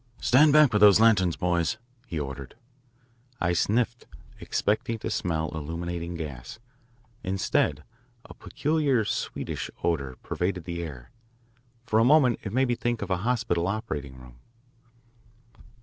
"Stand back with those lanterns, boys," he ordered. I sniffed, expecting to smell illuminating gas. Instead, a peculiar, sweetish odour pervaded the air. For a moment it made me think of a hospital operating room.